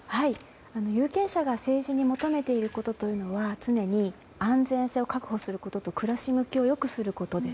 有権者が政治に求めているということというのは、常に安全性を確保することと暮らし向きを良くすることです。